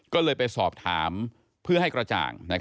ก็เลยไปสอบถามเพื่อให้กระจ่าง